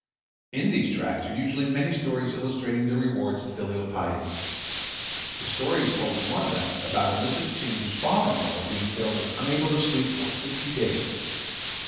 In these tracts are usually many stories illustrating the rewards of filial piety. The story is told in one of them about a Mrs. Chin whose father in law being ill was unable to sleep for sixty days.